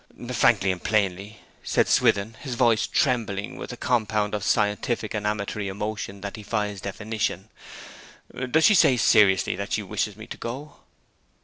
'Frankly and plainly,' said Swithin, his voice trembling with a compound of scientific and amatory emotion that defies definition, 'does she say seriously that she wishes me to go?'